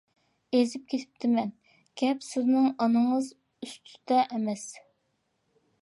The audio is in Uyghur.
ئېزىپ كېتىپتىمەن، گەپ سىزنىڭ ئانىڭىز ئۈستىدە ئەمەس!